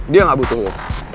dia gak butuh lo